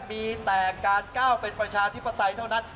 มีแต่การก้าวเป็นประชาธิปไตยเท่านั้น